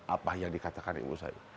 apa yang dikatakan ibu saya